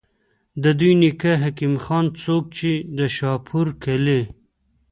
د دوي نيکۀ حکيم خان، څوک چې د شاهپور کلي